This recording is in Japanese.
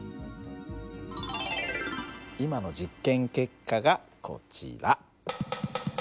今の実験結果がこちら。